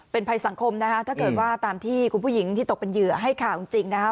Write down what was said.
เป็นภัยสังคมนะคะถ้าเกิดว่าตามที่คุณผู้หญิงที่ตกเป็นเหยื่อให้ข่าวจริงนะคะ